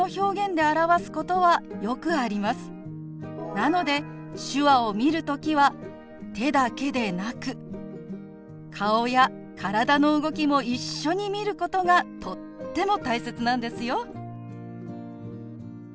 なので手話を見る時は手だけでなく顔や体の動きも一緒に見ることがとっても大切なんですよ。